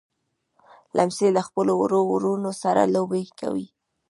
لمسی له خپلو وړو وروڼو سره لوبې کوي.